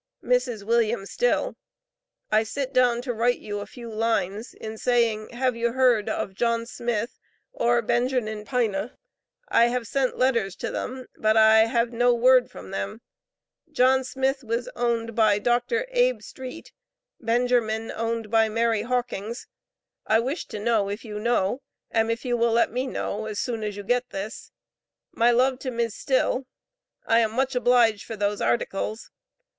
Mrs. William Still: i sit don to rite you a fue lines in saying hav you herd of John Smith or Bengernin Pina i have cent letters to them but i hav know word from them John Smith was oned by Doker abe Street Bengermin oned by Mary hawkings i wish to kno if you kno am if you will let me know as swon as you get this. My lov to Mis Still i am much oblige for those articales.